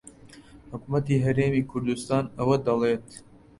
حکوومەتی هەرێمی کوردستان ئەوە دەڵێت